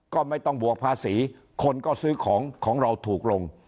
ก็ไม่ต้องบวกภาษีคนก็ซื้อของของเราถูกลง